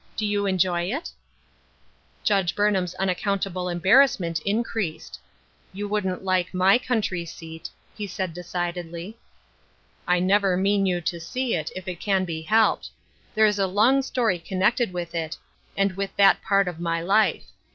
Do you enjoy it ?" Judge Burnham's unaccountable eml arass ment increased. " You wouldn't Hke mi <H)un try seat," he said decidedly. " I never i»ftai» Shadowed Joys. 253 you to see it, if it can be helped. There is a long story connected with it, and with that part of my life.